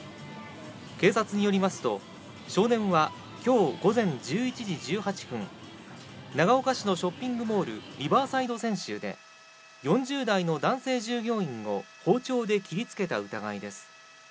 警察によりますと、少年はきょう午前１１時１８分、長岡市のショッピングモール、リバーサイド千秋で、４０代の男性従業員を包丁で切りつけた疑いです。